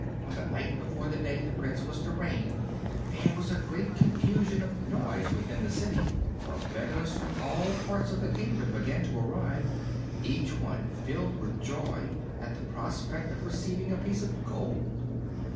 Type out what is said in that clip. On the night before the day the Prince was to reign there was a great confusion of noise within the city, for beggars from all parts of the kingdom began to arrive, each one filled with joy at the prospect of receiving a piece of gold.